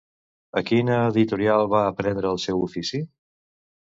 A quina editorial va aprendre el seu ofici?